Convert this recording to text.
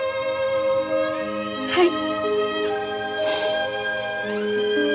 はい。